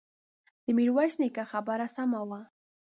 د ميرويس نيکه خبره سمه وه.